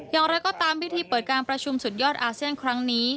อย่างไรก็ตามพิธีเปิดการประชุมสุดยอดอาเซียนครั้งนี้